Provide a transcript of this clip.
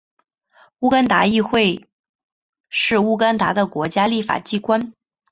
乌干达议会是乌干达的国家立法机关。